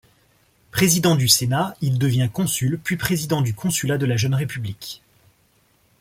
Président du Sénat, il devient consul puis président du consulat de la jeune république.